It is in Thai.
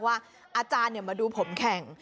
อาจารย์มาดูผมแข่ง